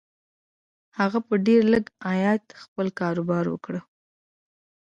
هغه په ډېر لږ عايد خپل کاروبار پيل کړ.